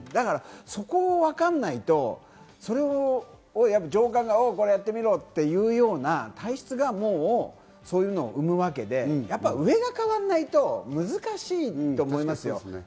そこを分からないと上官がこれやってみろっていうような体質がもうそういうのを生むわけで、上が変わらないと難しいと思いますよ。